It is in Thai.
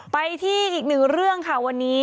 ไปที่อีกหนึ่งเรื่องค่ะวันนี้